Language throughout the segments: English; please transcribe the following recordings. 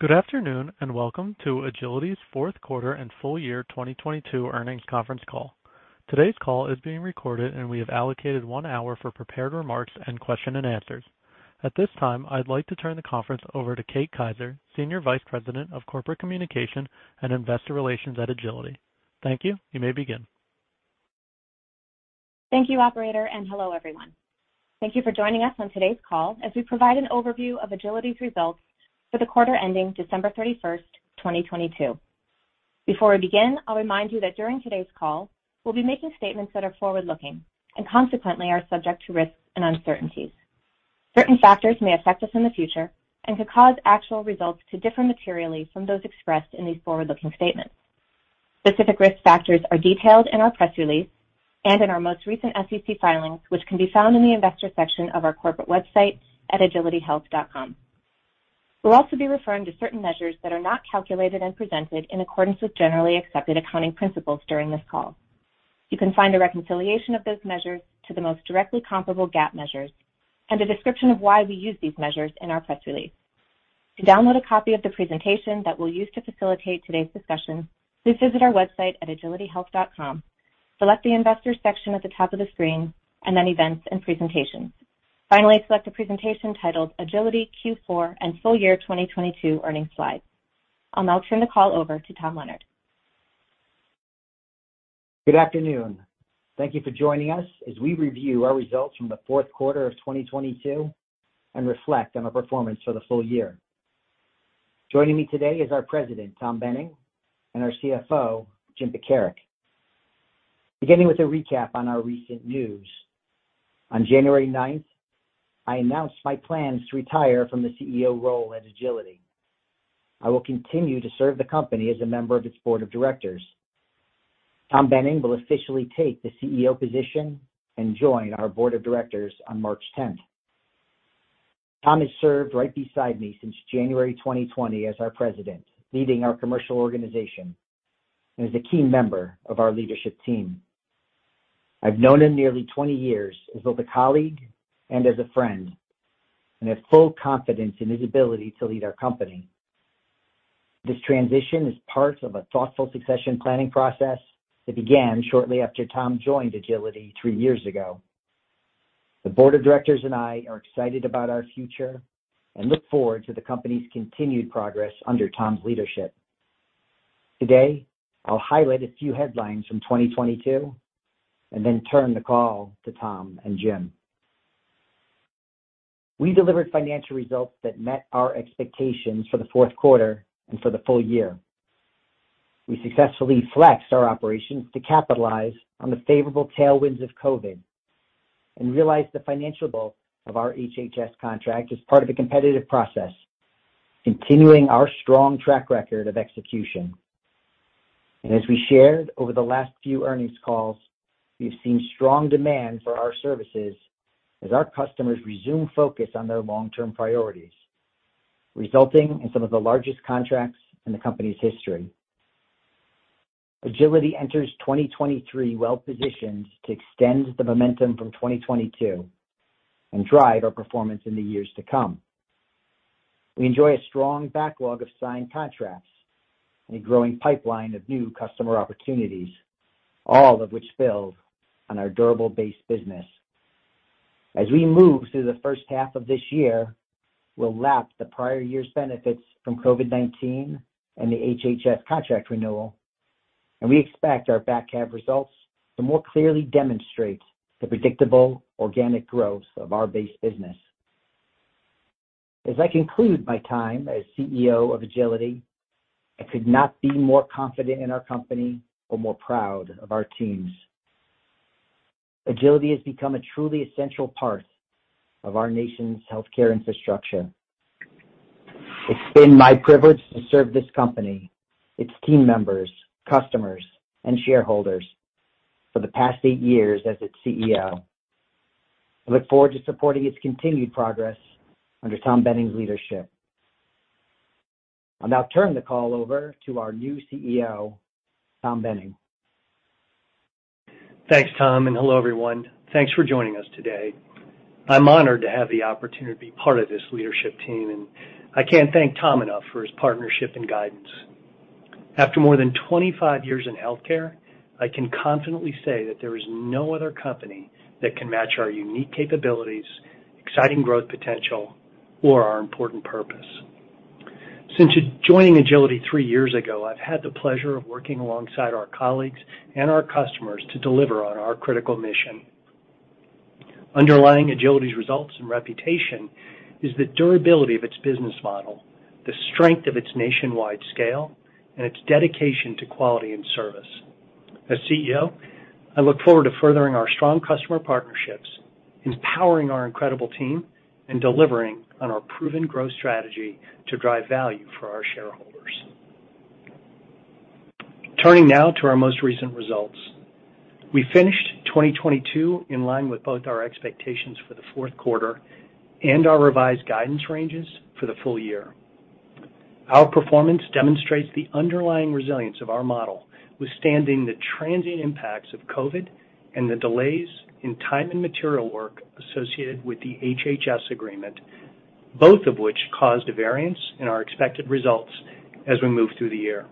Good afternoon. Welcome to Agiliti's fourth quarter and full year 2022 earnings conference call. Today's call is being recorded, and we have allocated one hour for prepared remarks and question and answers. At this time, I'd like to turn the conference over to Kate Kaiser, Senior Vice President of Corporate Communications and Investor Relations at Agiliti. Thank you. You may begin. Thank you, operator, and hello, everyone. Thank you for joining us on today's call as we provide an overview of Agiliti's results for the quarter ending December 31st, 2022. Before we begin, I'll remind you that during today's call, we'll be making statements that are forward-looking and consequently are subject to risks and uncertainties. Certain factors may affect us in the future and could cause actual results to differ materially from those expressed in these forward-looking statements. Specific risk factors are detailed in our press release and in our most recent SEC filings, which can be found in the Investor section of our corporate website at agilitihealth.com. We'll also be referring to certain measures that are not calculated and presented in accordance with generally accepted accounting principles during this call. You can find a reconciliation of those measures to the most directly comparable GAAP measures and a description of why we use these measures in our press release. To download a copy of the presentation that we'll use to facilitate today's discussion, please visit our website at agilitihealth.com, select the Investor section at the top of the screen and then Events and Presentations. Finally, select the presentation titled "Agiliti Q4 and Full Year 2022 Earnings Slides." I'll now turn the call over to Tom Leonard. Good afternoon. Thank you for joining us as we review our results from the fourth quarter of 2022 and reflect on our performance for the full year. Joining me today is our President, Tom Boehning, and our CFO, Jim Pekarek. Beginning with a recap on our recent news. On January 9th, I announced my plans to retire from the CEO role at Agiliti. I will continue to serve the company as a member of its board of directors. Tom Boehning will officially take the CEO position and join our board of directors on March 10th. Tom has served right beside me since January 2020 as our president, leading our commercial organization and is a key member of our leadership team. I've known him nearly 20 years as both a colleague and as a friend and have full confidence in his ability to lead our company. This transition is part of a thoughtful succession planning process that began shortly after Tom joined Agiliti three years ago. The board of directors and I are excited about our future and look forward to the company's continued progress under Tom's leadership. Today, I'll highlight a few headlines from 2022 and then turn the call to Tom and Jim. We delivered financial results that met our expectations for the fourth quarter and for the full year. We successfully flexed our operations to capitalize on the favorable tailwinds of COVID and realized the financial bulk of our HHS contract as part of a competitive process, continuing our strong track record of execution. As we shared over the last few earnings calls, we've seen strong demand for our services as our customers resume focus on their long-term priorities, resulting in some of the largest contracts in the company's history. Agiliti enters 2023 well positioned to extend the momentum from 2022 and drive our performance in the years to come. We enjoy a strong backlog of signed contracts and a growing pipeline of new customer opportunities, all of which build on our durable base business. As we move through the first half of this year, we'll lap the prior year's benefits from COVID-19 and the HHS contract renewal, and we expect our back half results to more clearly demonstrate the predictable organic growth of our base business. As I conclude my time as CEO of Agiliti, I could not be more confident in our company or more proud of our teams. Agiliti has become a truly essential part of our nation's healthcare infrastructure. It's been my privilege to serve this company, its team members, customers, and shareholders for the past eight years as its CEO. I look forward to supporting its continued progress under Tom Boehning's leadership. I'll now turn the call over to our new CEO, Tom Boehning. Thanks, Tom, and hello, everyone. Thanks for joining us today. I'm honored to have the opportunity to be part of this leadership team, and I can't thank Tom enough for his partnership and guidance. After more than 25 years in healthcare, I can confidently say that there is no other company that can match our unique capabilities, exciting growth potential, or our important purpose. Since joining Agiliti three years ago, I've had the pleasure of working alongside our colleagues and our customers to deliver on our critical mission. Underlying Agiliti's results and reputation is the durability of its business model, the strength of its nationwide scale, and its dedication to quality and service. As CEO, I look forward to furthering our strong customer partnerships, empowering our incredible team, and delivering on our proven growth strategy to drive value for our shareholders. Turning now to our most recent results. We finished 2022 in line with both our expectations for the fourth quarter and our revised guidance ranges for the full year. Our performance demonstrates the underlying resilience of our model. Withstanding the transient impacts of COVID and the delays in time and material work associated with the HHS agreement, both of which caused a variance in our expected results as we moved through the year.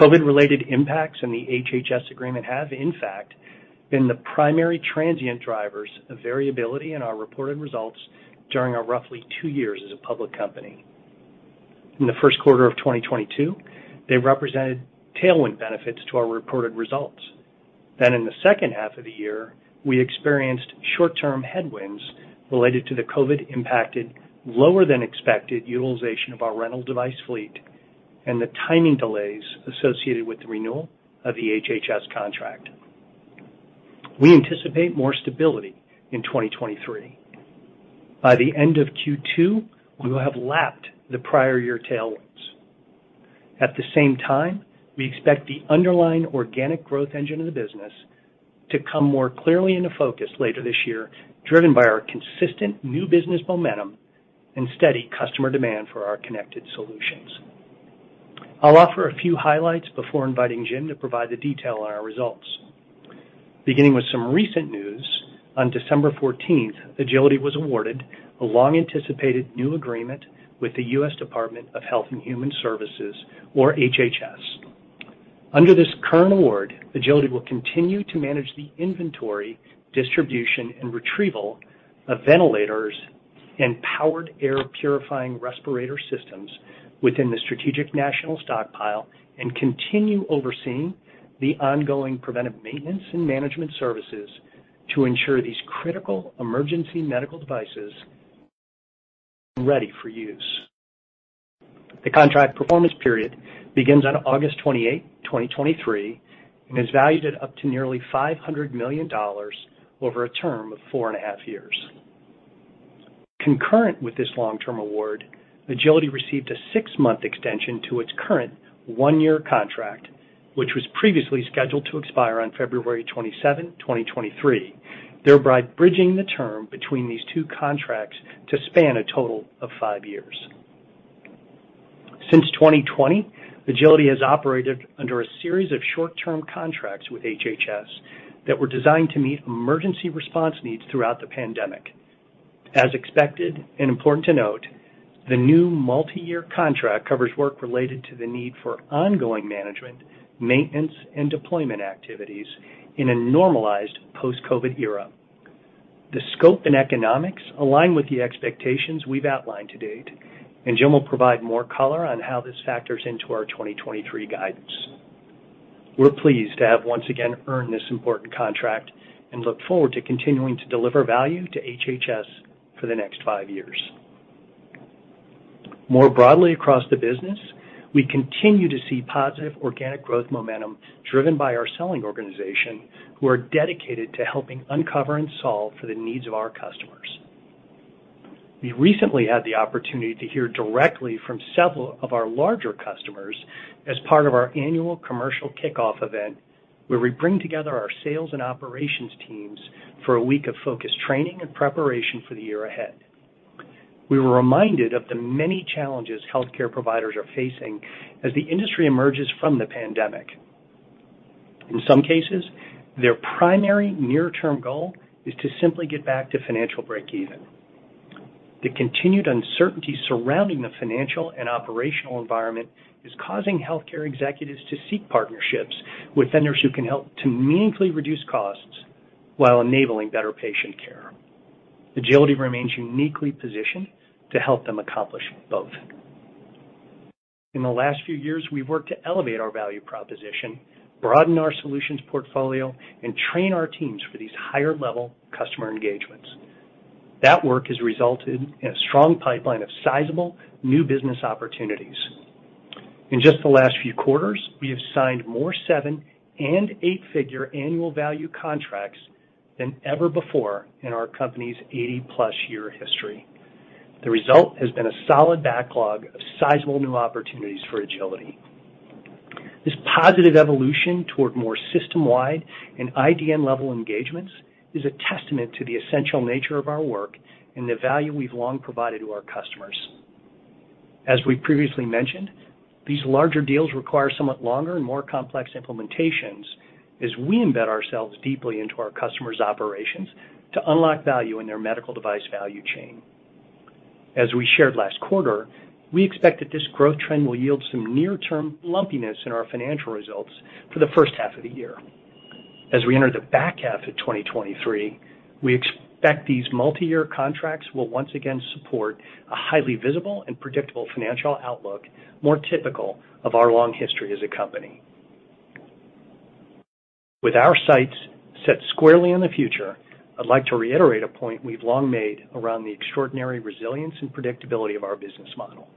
COVID-related impacts in the HHS agreement have, in fact, been the primary transient drivers of variability in our reported results during our roughly two years as a public company. In the first quarter of 2022, they represented tailwind benefits to our reported results. In the second half of the year, we experienced short-term headwinds related to the COVID-impacted lower than expected utilization of our rental device fleet and the timing delays associated with the renewal of the HHS contract. We anticipate more stability in 2023. By the end of Q2, we will have lapped the prior year tailwinds. We expect the underlying organic growth engine of the business to come more clearly into focus later this year, driven by our consistent new business momentum and steady customer demand for our connected solutions. I'll offer a few highlights before inviting Jim to provide the detail on our results. Beginning with some recent news, on December 14th, Agiliti was awarded a long-anticipated new agreement with the U.S. Department of Health and Human Services, or HHS. Under this current award, Agiliti will continue to manage the inventory, distribution, and retrieval of ventilators and Powered Air Purifying Respirator systems within the Strategic National Stockpile and continue overseeing the ongoing preventive maintenance and management services to ensure these critical emergency medical devices ready for use. The contract performance period begins on August 28, 2023, and is valued at up to nearly $500 million over a term of 4.5 years. Concurrent with this long-term award, Agiliti received a six-month extension to its current one-year contract, which was previously scheduled to expire on February 27th, 2023, thereby bridging the term between these two contracts to span a total of five years. Since 2020, Agiliti has operated under a series of short-term contracts with HHS that were designed to meet emergency response needs throughout the pandemic. As expected, and important to note, the new multi-year contract covers work related to the need for ongoing management, maintenance, and deployment activities in a normalized post-COVID era. The scope and economics align with the expectations we've outlined to date, and Jim will provide more color on how this factors into our 2023 guidance. We're pleased to have once again earned this important contract and look forward to continuing to deliver value to HHS for the next five years. More broadly across the business, we continue to see positive organic growth momentum driven by our selling organization, who are dedicated to helping uncover and solve for the needs of our customers. We recently had the opportunity to hear directly from several of our larger customers as part of our annual commercial kickoff event, where we bring together our sales and operations teams for a week of focused training and preparation for the year ahead. We were reminded of the many challenges healthcare providers are facing as the industry emerges from the pandemic. In some cases, their primary near-term goal is to simply get back to financial breakeven. The continued uncertainty surrounding the financial and operational environment is causing healthcare executives to seek partnerships with vendors who can help to meaningfully reduce costs while enabling better patient care. Agiliti remains uniquely positioned to help them accomplish both. In the last few years, we've worked to elevate our value proposition, broaden our solutions portfolio, and train our teams for these higher-level customer engagements. That work has resulted in a strong pipeline of sizable new business opportunities. In just the last few quarters, we have signed more seven- and eight-figure annual value contracts than ever before in our company's 80+ year history. The result has been a solid backlog of sizable new opportunities for Agiliti. This positive evolution toward more system-wide and IDN-level engagements is a testament to the essential nature of our work and the value we've long provided to our customers. As we previously mentioned, these larger deals require somewhat longer and more complex implementations as we embed ourselves deeply into our customers' operations to unlock value in their medical device value chain. As we shared last quarter, we expect that this growth trend will yield some near-term lumpiness in our financial results for the first half of the year. As we enter the back half of 2023, we expect these multi-year contracts will once again support a highly visible and predictable financial outlook more typical of our long history as a company. With our sights set squarely on the future, I'd like to reiterate a point we've long made around the extraordinary resilience and predictability of our business model.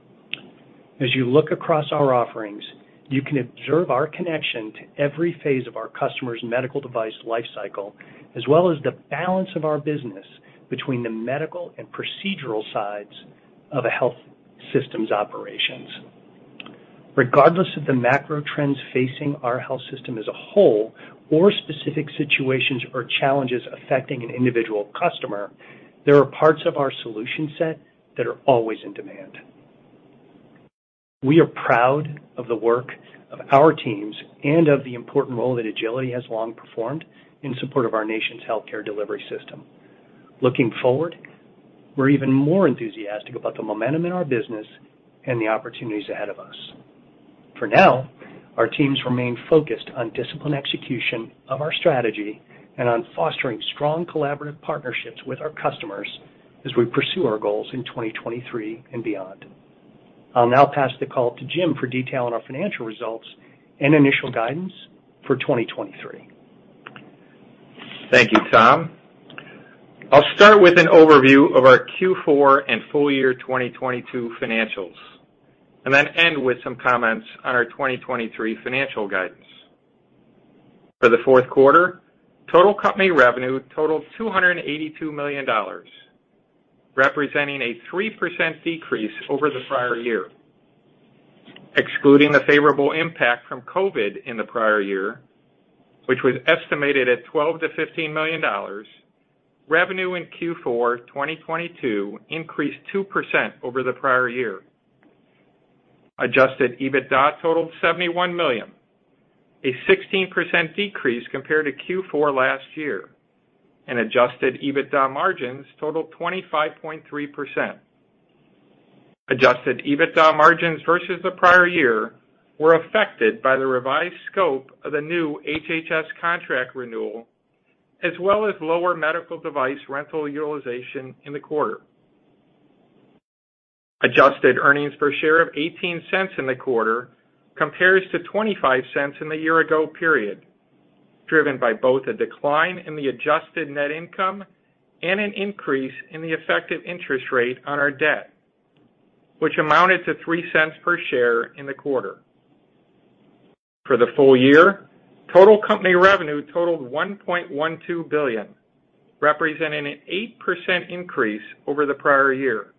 As you look across our offerings, you can observe our connection to every phase of our customers' medical device lifecycle, as well as the balance of our business between the medical and procedural sides of a health system's operations. Regardless of the macro trends facing our health system as a whole or specific situations or challenges affecting an individual customer. There are parts of our solution set that are always in demand. We are proud of the work of our teams and of the important role that Agiliti has long performed in support of our nation's healthcare delivery system. Looking forward, we're even more enthusiastic about the momentum in our business and the opportunities ahead of us. For now, our teams remain focused on disciplined execution of our strategy and on fostering strong collaborative partnerships with our customers as we pursue our goals in 2023 and beyond. I'll now pass the call to Jim for detail on our financial results and initial guidance for 2023. Thank you, Tom. I'll start with an overview of our Q4 and full year 2022 financials, end with some comments on our 2023 financial guidance. For the fourth quarter, total company revenue totaled $282 million, representing a 3% decrease over the prior year. Excluding the favorable impact from COVID in the prior year, which was estimated at $12 million-$15 million, revenue in Q4 2022 increased 2% over the prior year. Adjusted EBITDA totaled $71 million, a 16% decrease compared to Q4 last year. Adjusted EBITDA margins totaled 25.3%. Adjusted EBITDA margins versus the prior year were affected by the revised scope of the new HHS contract renewal, as well as lower medical device rental utilization in the quarter. Adjusted earnings per share of $0.18 in the quarter compares to $0.25 in the year-ago period, driven by both a decline in the adjusted net income and an increase in the effective interest rate on our debt, which amounted to $0.03 per share in the quarter. For the full year, total company revenue totaled $1.12 billion, representing an 8% increase over the prior year.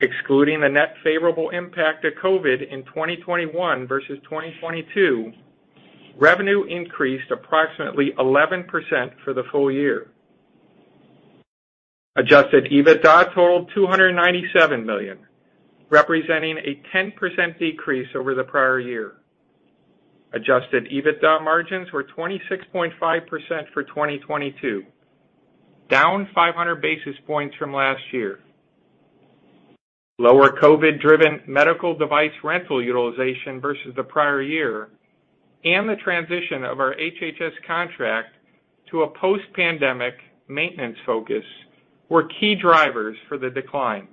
Excluding the net favorable impact of COVID in 2021 versus 2022, revenue increased approximately 11% for the full year. Adjusted EBITDA totaled $297 million, representing a 10% decrease over the prior year. Adjusted EBITDA margins were 26.5% for 2022, down 500 basis points from last year. Lower COVID-driven medical device rental utilization versus the prior year and the transition of our HHS contract to a post-pandemic maintenance focus were key drivers for the decline.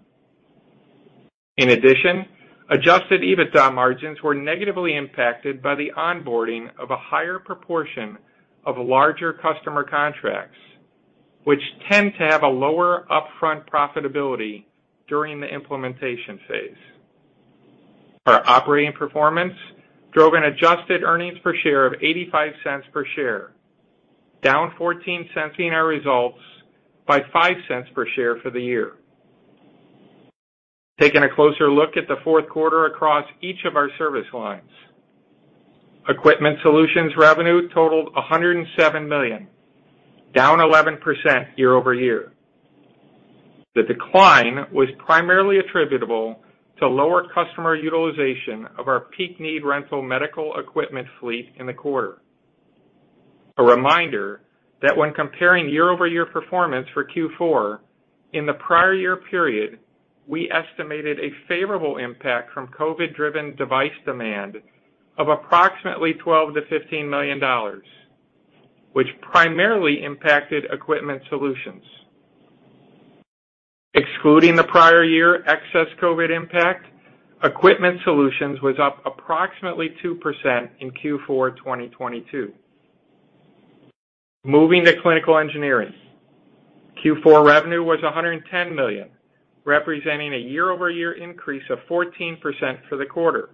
In addition, Adjusted EBITDA margins were negatively impacted by the onboarding of a higher proportion of larger customer contracts, which tend to have a lower upfront profitability during the implementation phase. Our operating performance drove an Adjusted earnings per share of $0.85 per share, down $0.14 in our results by $0.05 per share for the year. Taking a closer look at the fourth quarter across each of our service lines. Equipment Solutions revenue totaled $107 million, down 11% year-over-year. The decline was primarily attributable to lower customer utilization of our peak need rental medical equipment fleet in the quarter. A reminder that when comparing year-over-year performance for Q4, in the prior year period, we estimated a favorable impact from COVID-driven device demand of approximately $12 million-$15 million, which primarily impacted Equipment Solutions. Excluding the prior year excess COVID impact, Equipment Solutions was up approximately 2% in Q4 2022. Moving to Clinical Engineering. Q4 revenue was $110 million, representing a year-over-year increase of 14% for the quarter.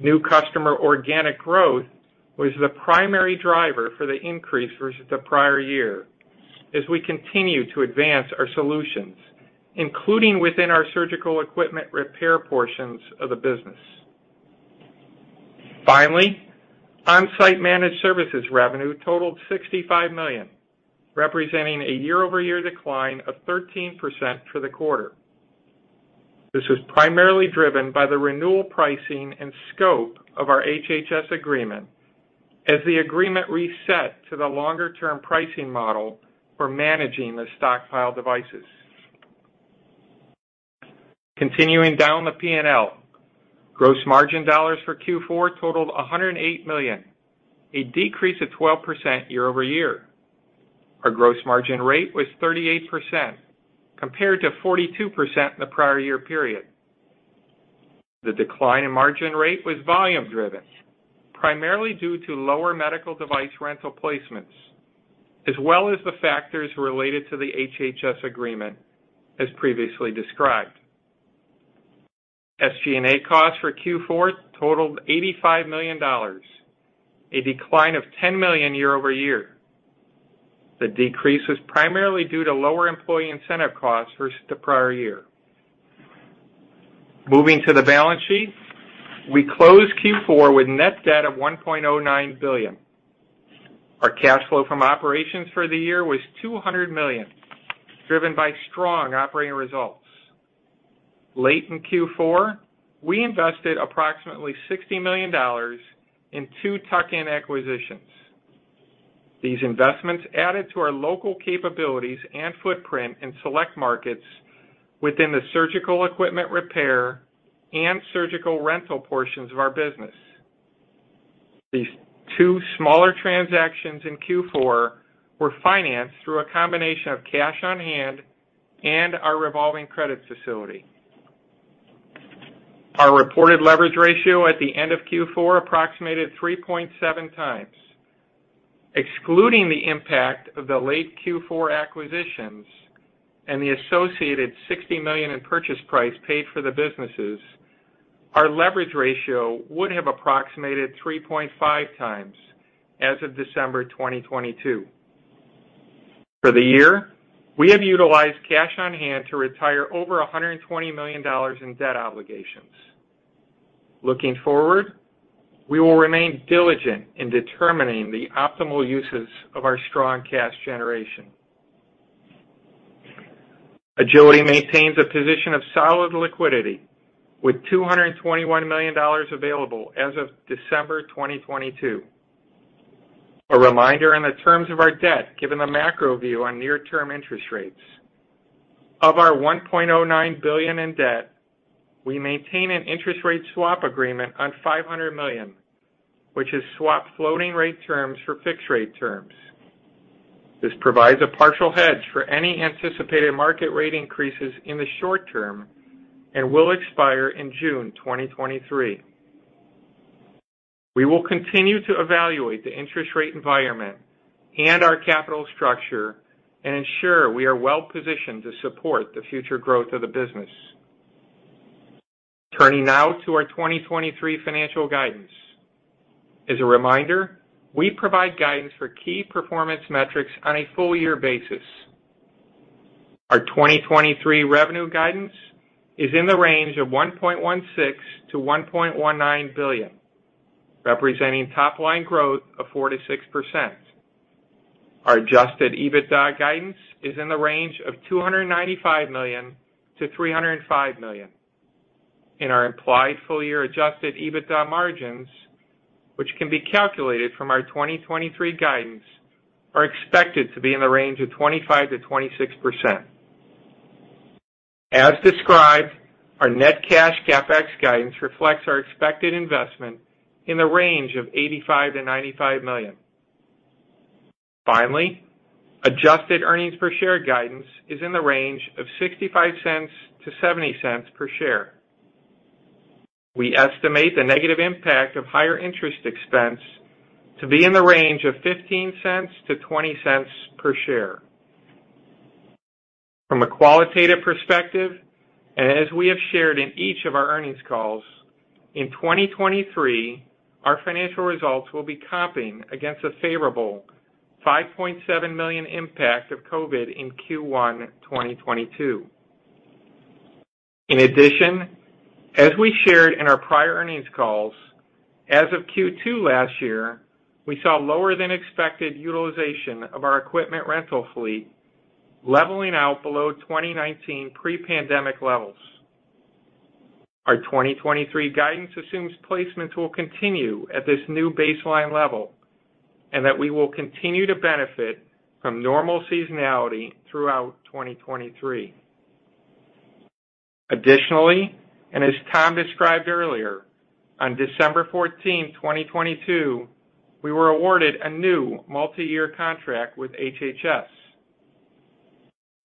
New customer organic growth was the primary driver for the increase versus the prior year as we continue to advance our solutions, including within our surgical equipment repair portions of the business. Finally, Onsite Managed Services revenue totaled $65 million, representing a year-over-year decline of 13% for the quarter. This was primarily driven by the renewal pricing and scope of our HHS agreement as the agreement reset to the longer-term pricing model for managing the stockpile devices. Continuing down the P&L. Gross margin dollars for Q4 totaled $108 million, a decrease of 12% year-over-year. Our gross margin rate was 38% compared to 42% in the prior year period. The decline in margin rate was volume driven, primarily due to lower medical device rental placements, as well as the factors related to the HHS agreement as previously described. SG&A costs for Q4 totaled $85 million, a decline of $10 million year-over-year. The decrease was primarily due to lower employee incentive costs versus the prior year. Moving to the Balance Sheet. We closed Q4 with net debt of $1.09 billion. Our cash flow from operations for the year was $200 million, driven by strong operating results. Late in Q4, we invested approximately $60 million in two tuck-in acquisitions. These investments added to our local capabilities and footprint in select markets within the surgical equipment repair and surgical rental portions of our business. These two smaller transactions in Q4 were financed through a combination of cash on hand and our revolving credit facility. Our reported leverage ratio at the end of Q4 approximated 3.7x. Excluding the impact of the late Q4 acquisitions and the associated $60 million in purchase price paid for the businesses, our leverage ratio would have approximated 3.5x as of December 2022. For the year, we have utilized cash on hand to retire over $120 million in debt obligations. Looking forward, we will remain diligent in determining the optimal uses of our strong cash generation. Agiliti maintains a position of solid liquidity with $221 million available as of December 2022. A reminder on the terms of our debt, given the macro view on near-term interest rates. Of our $1.09 billion in debt, we maintain an interest rate swap agreement on $500 million, which is swap floating rate terms for fixed rate terms. This provides a partial hedge for any anticipated market rate increases in the short term and will expire in June 2023. We will continue to evaluate the interest rate environment and our capital structure and ensure we are well-positioned to support the future growth of the business. Turning now to our 2023 financial guidance. As a reminder, we provide guidance for key performance metrics on a full year basis. Our 2023 revenue guidance is in the range of $1.16 billion-$1.19 billion, representing top line growth of 4%-6%. Our Adjusted EBITDA guidance is in the range of $295 million-$305 million. Our implied full year Adjusted EBITDA margins, which can be calculated from our 2023 guidance, are expected to be in the range of 25%-26%. As described, our Net CapEx guidance reflects our expected investment in the range of $85 million-$95 million. Finally, Adjusted earnings per share guidance is in the range of $0.65-$0.70 per share. We estimate the negative impact of higher interest expense to be in the range of $0.15-$0.20 per share. From a qualitative perspective, as we have shared in each of our earnings calls, in 2023, our financial results will be comping against a favorable $5.7 million impact of COVID in Q1 2022. In addition, as we shared in our prior earnings calls, as of Q2 last year, we saw lower than expected utilization of our equipment rental fleet, leveling out below 2019 pre-pandemic levels. Our 2023 guidance assumes placements will continue at this new baseline level and that we will continue to benefit from normal seasonality throughout 2023. Additionally, as Tom described earlier, on December 14th, 2022, we were awarded a new multi-year contract with HHS.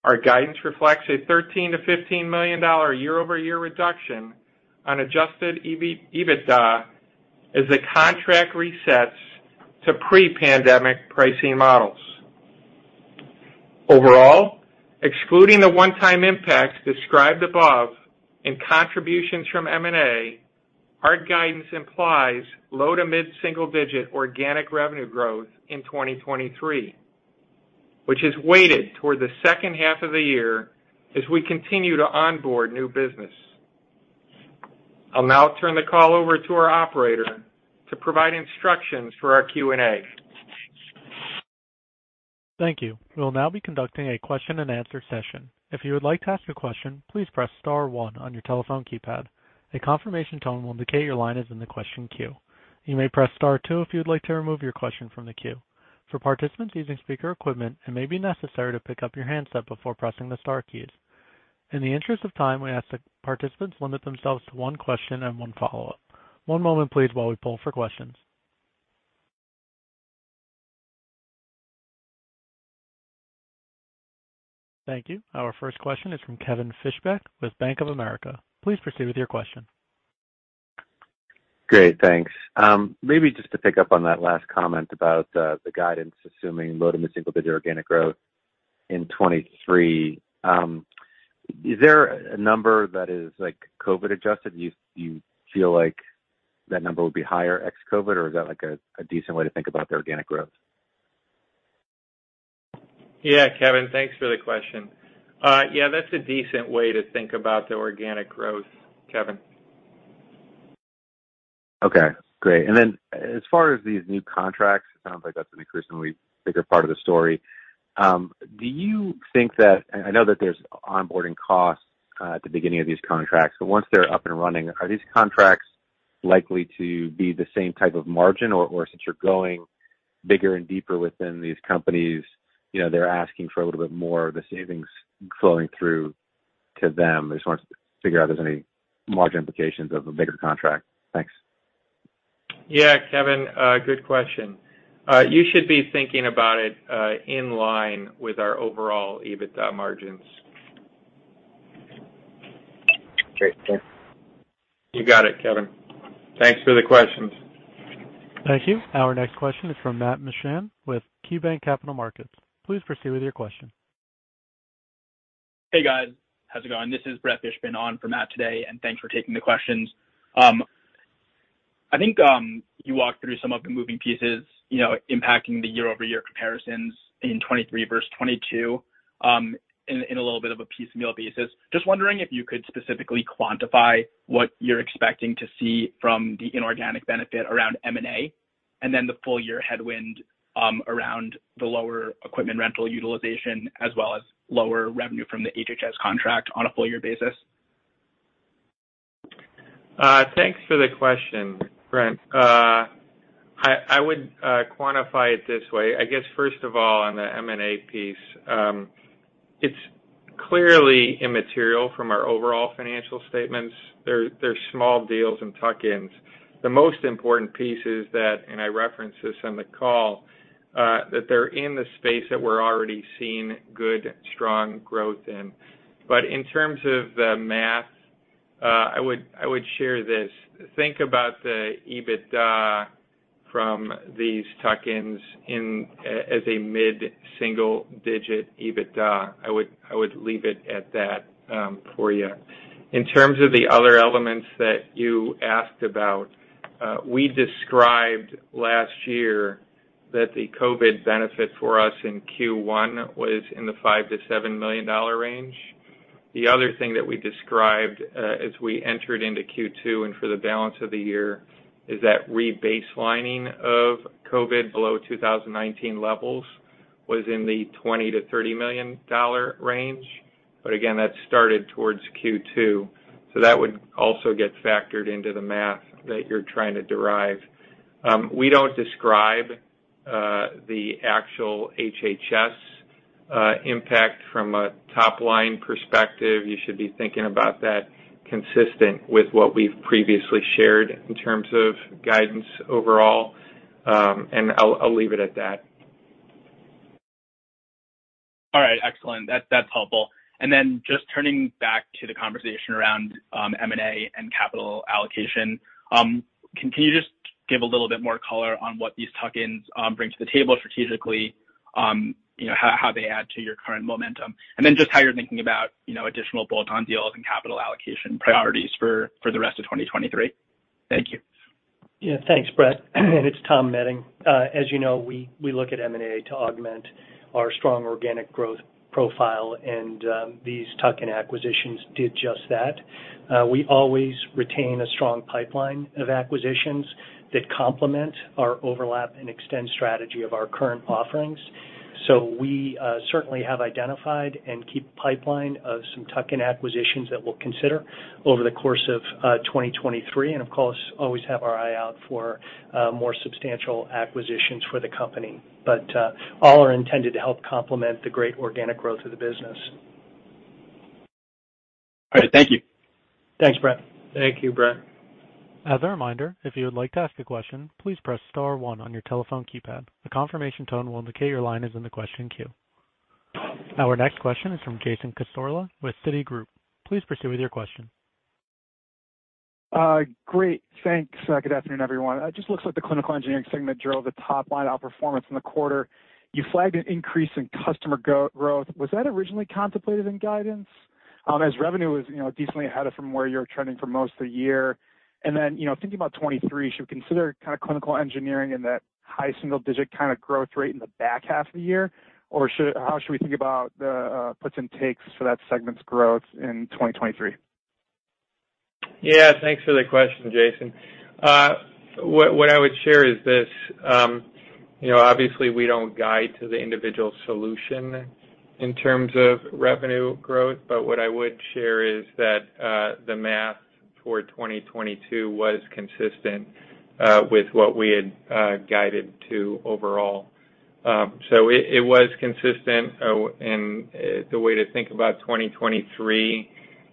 Our guidance reflects a $13 million-$15 million year-over-year reduction on Adjusted EBITDA as the contract resets to pre-pandemic pricing models. Overall, excluding the one-time impacts described above and contributions from M&A, our guidance implies low to mid-single digit organic revenue growth in 2023, which is weighted toward the second half of the year as we continue to onboard new business. I'll now turn the call over to our operator to provide instructions for our Q&A. Thank you. We'll now be conducting a question and answer session. If you would like to ask a question, please press star one on your telephone keypad. A confirmation tone will indicate your line is in the question queue. You may press star two if you would like to remove your question from the queue. For participants using speaker equipment, it may be necessary to pick up your handset before pressing the star keys. In the interest of time, we ask that participants limit themselves to one question and one follow-up. One moment please while we pull for questions. Thank you. Our first question is from Kevin Fischbeck with Bank of America. Please proceed with your question. Great, thanks. Maybe just to pick up on that last comment about the guidance assuming low to mid-single-digit organic growth in 2023. Is there a number that is like COVID adjusted? Do you feel like that number would be higher ex-COVID or is that like a decent way to think about the organic growth? Yeah, Kevin, thanks for the question. Yeah, that's a decent way to think about the organic growth, Kevin. Okay, great. As far as these new contracts, it sounds like that's an increasingly bigger part of the story. Do you think that, I know that there's onboarding costs at the beginning of these contracts, but once they're up and running, are these contracts likely to be the same type of margin? Or since you're going bigger and deeper within these companies, you know, they're asking for a little bit more of the savings flowing through to them. I just wanted to figure out if there's any margin implications of a bigger contract. Thanks. Yeah, Kevin, good question. You should be thinking about it in line with our overall EBITDA margins. Great. Thanks. You got it, Kevin. Thanks for the questions. Thank you. Our next question is from Matt Mishan with KeyBanc Capital Markets. Please proceed with your question. Hey, guys. How's it going? This is Brett Fishbein on for Matt today. Thanks for taking the questions. I think you walked through some of the moving pieces, you know, impacting the year-over-year comparisons in 2023 versus 2022, in a little bit of a piecemeal basis. Just wondering if you could specifically quantify what you're expecting to see from the inorganic benefit around M&A, and then the full year headwind, around the lower equipment rental utilization as well as lower revenue from the HHS contract on a full year basis? Thanks for the question, Brett Fishbein. I would quantify it this way. I guess, first of all, on the M&A piece, it's clearly immaterial from our overall financial statements. They're small deals and tuck-ins. The most important piece is that, and I referenced this on the call, that they're in the space that we're already seeing good, strong growth in. In terms of the math, I would share this. Think about the EBITDA from these tuck-ins as a mid-single digit EBITDA. I would leave it at that for you. In terms of the other elements that you asked about, we described last year that the COVID benefit for us in Q1 was in the $5 million-$7 million range. The other thing that we described, as we entered into Q2 and for the balance of the year is that rebaselining of COVID below 2019 levels was in the $20 million-$30 million range. Again, that started towards Q2, so that would also get factored into the math that you're trying to derive. We don't describe the actual HHS impact from a top-line perspective. You should be thinking about that consistent with what we've previously shared in terms of guidance overall, and I'll leave it at that. All right, excellent. That's helpful. Just turning back to the conversation around M&A and capital allocation, can you just give a little bit more color on what these tuck-ins bring to the table strategically? You know, how they add to your current momentum? Just how you're thinking about, you know, additional bolt-on deals and capital allocation priorities for the rest of 2023. Thank you. Yeah. Thanks, Brett. It's Tom Boehning. As you know, we look at M&A to augment our strong organic growth profile, and these tuck-in acquisitions did just that. We always retain a strong pipeline of acquisitions that complement our overlap and extend strategy of our current offerings. We certainly have identified and keep pipeline of some tuck-in acquisitions that we'll consider over the course of 2023. Of course, always have our eye out for more substantial acquisitions for the company. All are intended to help complement the great organic growth of the business. All right. Thank you. Thanks, Brett. Thank you, Brett. As a reminder, if you would like to ask a question, please press star one on your telephone keypad. A confirmation tone will indicate your line is in the question queue. Our next question is from Jason Cassorla with Citigroup. Please proceed with your question. Great. Thanks. Good afternoon, everyone. It just looks like the Clinical Engineering segment drove the top line outperformance in the quarter. You flagged an increase in customer growth. Was that originally contemplated in guidance? As revenue was, you know, decently ahead of from where you're trending for most of the year. Then, you know, thinking about 2023, should we consider kind of Clinical Engineering in that high single-digit kind of growth rate in the back half of the year? Or how should we think about the puts and takes for that segment's growth in 2023? Yeah. Thanks for the question, Jason. What I would share is this. You know, obviously, we don't guide to the individual solution in terms of revenue growth. What I would share is that the math for 2022 was consistent with what we had guided to overall. It was consistent. The way to think about 2023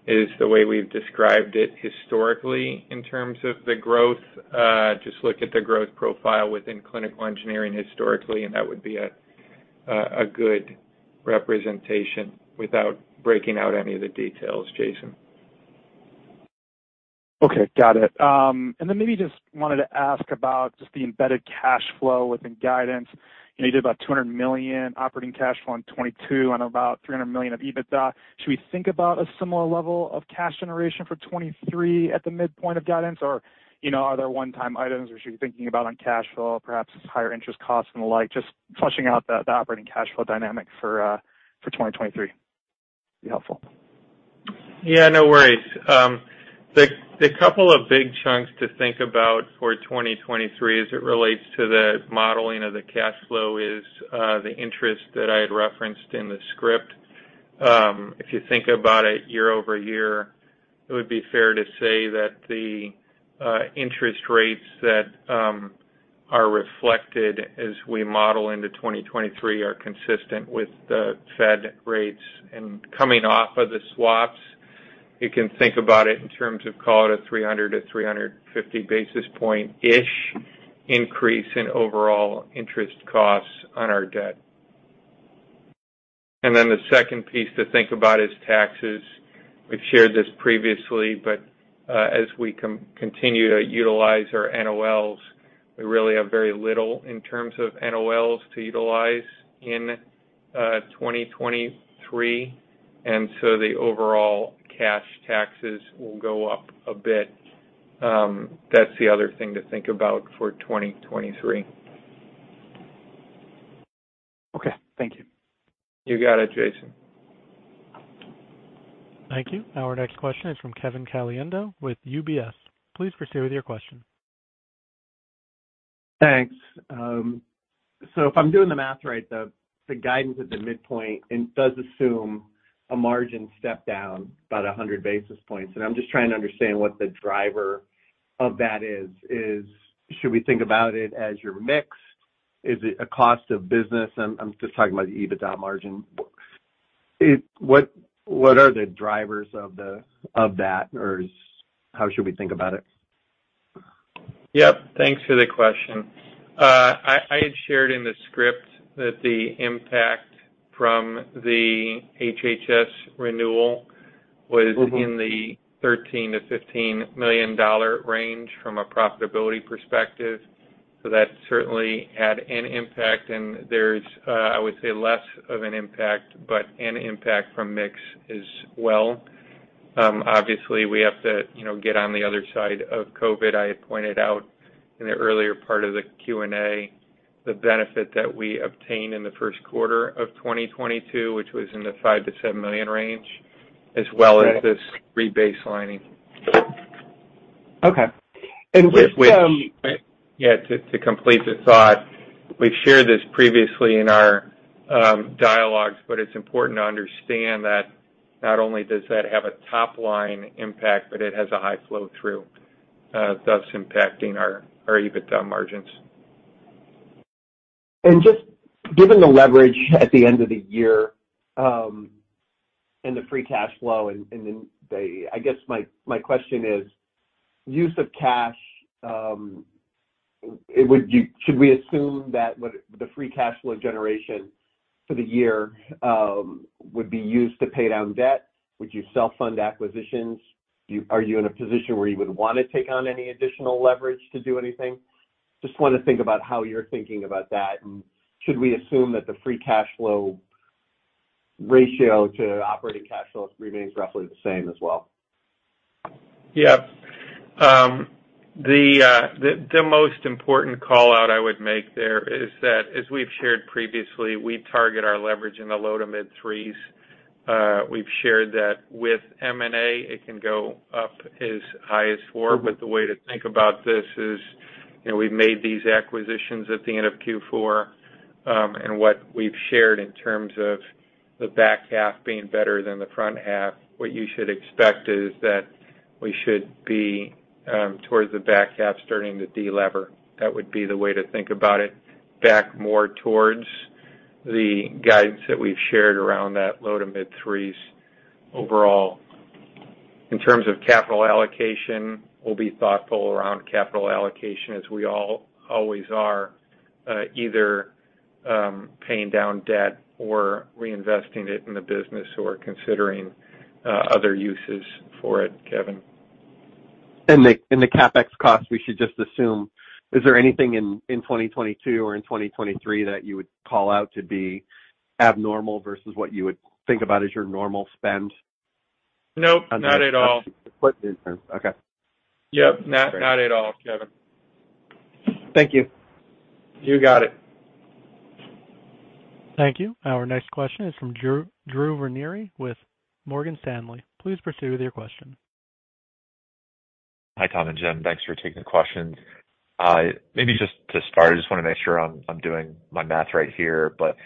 is the way we've described it historically in terms of the growth. Just look at the growth profile within Clinical Engineering historically, and that would be a good representation without breaking out any of the details, Jason. Okay. Got it. Maybe just wanted to ask about just the embedded cash flow within guidance. You know, you did about $200 million operating cash flow in 2022 on about $300 million of EBITDA. Should we think about a similar level of cash generation for 2023 at the midpoint of guidance? You know, are there one-time items we should be thinking about on cash flow, perhaps higher interest costs and the like? Just fleshing out the operating cash flow dynamic for 2023 would be helpful. Yeah, no worries. The couple of big chunks to think about for 2023 as it relates to the modeling of the cash flow is the interest that I had referenced in the script. If you think about it year-over-year, it would be fair to say that the interest rates that are reflected as we model into 2023 are consistent with the Fed rates. Coming off of the swaps, you can think about it in terms of call it a 300 to 350 basis point-ish increase in overall interest costs on our debt. The second piece to think about is taxes. We've shared this previously. As we continue to utilize our NOLs, we really have very little in terms of NOLs to utilize in 2023. The overall cash taxes will go up a bit. That's the other thing to think about for 2023. Okay, thank you. You got it, Jason. Thank you. Our next question is from Kevin Caliendo with UBS. Please proceed with your question. Thanks. If I'm doing the math right, the guidance at the midpoint and does assume a margin step down about 100 basis points, I'm just trying to understand what the driver of that is. Should we think about it as your mix? Is it a cost of business? I'm just talking about the EBITDA margin. What are the drivers of that? How should we think about it? Yep. Thanks for the question. I had shared in the script that the impact from the HHS renewal. Mm-hmm. In the $13 million-$15 million range from a profitability perspective. That certainly had an impact and there's, I would say, less of an impact, but an impact from mix as well. We have to, you know, get on the other side of COVID. I had pointed out in the earlier part of the Q&A the benefit that we obtained in the first quarter of 2022, which was in the $5 million-$7 million range, as well as this rebaselining. Okay. Yeah. To complete the thought, we've shared this previously in our dialogues, but it's important to understand that not only does that have a top-line impact, but it has a high flow-through, thus impacting our EBITDA margins. Just given the leverage at the end of the year, and the free cash flow and then I guess my question is, use of cash, should we assume that the free cash flow generation for the year would be used to pay down debt? Would you self-fund acquisitions? Are you in a position where you would wanna take on any additional leverage to do anything? Just wanna think about how you're thinking about that. Should we assume that the free cash flow ratio to operating cash flows remains roughly the same as well? Yeah. The most important call-out I would make there is that, as we've shared previously, we target our leverage in the low to mid 3s. We've shared that with M&A, it can go up as high as four. The way to think about this is, you know, we've made these acquisitions at the end of Q4. And what we've shared in terms of the back half being better than the front half? What you should expect is that we should be towards the back half, starting to delever? That would be the way to think about it. Back more towards the guidance that we've shared around that low to mid 3s overall. In terms of capital allocation, we'll be thoughtful around capital allocation as we all always are, either, paying down debt or reinvesting it in the business or considering, other uses for it, Kevin. The CapEx cost, we should just assume. Is there anything in 2022 or in 2023 that you would call out to be abnormal versus what you would think about as your normal spend? Nope, not at all. Okay. Yep. Not at all, Kevin. Thank you. You got it. Thank you. Our next question is from Drew Ranieri with Morgan Stanley. Please proceed with your question. Hi, Tom and Jim. Thanks for taking the questions. Maybe just to start, I just wanna make sure I'm doing my math right here, but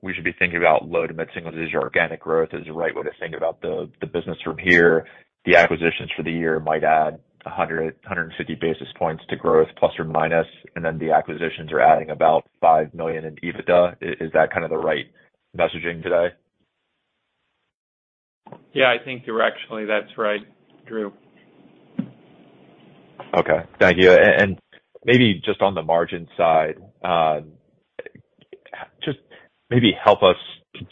we should be thinking about low to mid singles as your organic growth is the right way to think about the business from here. The acquisitions for the year might add 100-150 basis points to growth, plus or minus. The acquisitions are adding about $5 million in EBITDA. Is that kind of the right messaging today? Yeah, I think directionally that's right, Drew. Okay. Thank you. Maybe just on the margin side, just maybe help us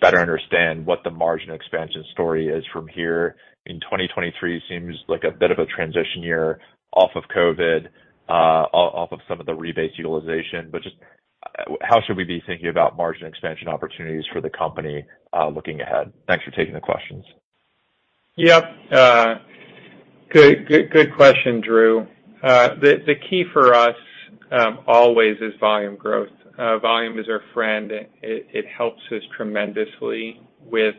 better understand what the margin expansion story is from here. In 2023 seems like a bit of a transition year off of COVID, off of some of the rebase utilization. Just how should we be thinking about margin expansion opportunities for the company, looking ahead? Thanks for taking the questions. Yep. good question, Drew. The key for us always is volume growth. Volume is our friend. It helps us tremendously with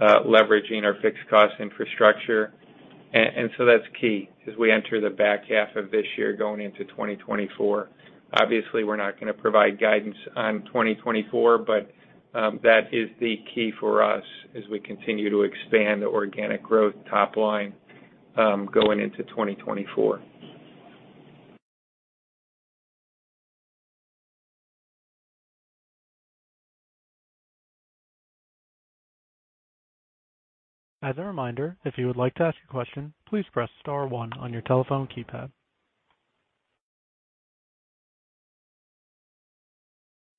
leveraging our fixed cost infrastructure. That's key as we enter the back half of this year going into 2024. Obviously, we're not gonna provide guidance on 2024, that is the key for us as we continue to expand the organic growth top line going into 2024. As a reminder, if you would like to ask a question, please press star one on your telephone keypad.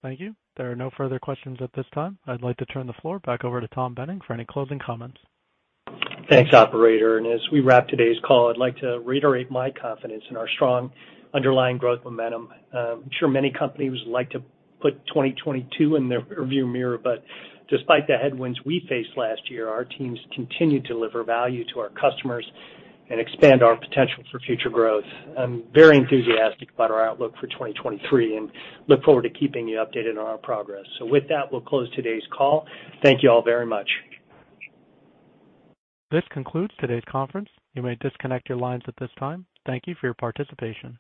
Thank you. There are no further questions at this time. I'd like to turn the floor back over to Tom Boehning for any closing comments. Thanks, operator. As we wrap today's call, I'd like to reiterate my confidence in our strong underlying growth momentum. I'm sure many companies like to put 2022 in their rear view mirror, but despite the headwinds we faced last year, our teams continue to deliver value to our customers and expand our potential for future growth. I'm very enthusiastic about our outlook for 2023 and look forward to keeping you updated on our progress. With that, we'll close today's call. Thank you all very much. This concludes today's conference. You may disconnect your lines at this time. Thank you for your participation.